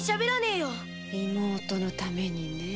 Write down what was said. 妹のためにね。